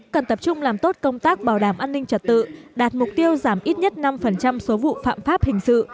cần tập trung làm tốt công tác bảo đảm an ninh trật tự đạt mục tiêu giảm ít nhất năm số vụ phạm pháp hình sự